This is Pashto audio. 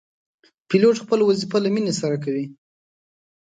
پیلوټ خپل وظیفه له مینې سره کوي.